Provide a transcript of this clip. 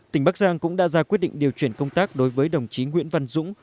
tỉnh bắc giang cũng đã ra quyết định điều chuyển công tác đối với đồng chí nguyễn văn dũng